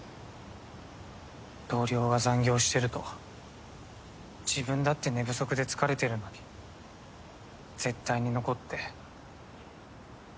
同僚が残業してると自分だって寝不足で疲れてるのに絶対に残って。